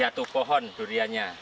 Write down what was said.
jatuh pohon duriannya